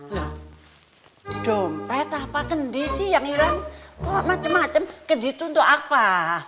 nah dompet apa kendi sih yang hilang kok macem macem kendi itu untuk apa